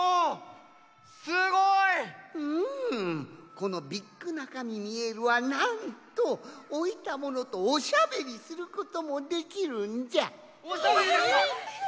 このビッグナカミミエルはなんとおいたものとおしゃべりすることもできるんじゃ。え！？